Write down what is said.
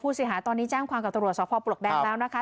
เสียหายตอนนี้แจ้งความกับตำรวจสพปลวกแดงแล้วนะคะ